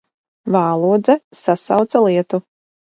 Vālodze sasauca lietu.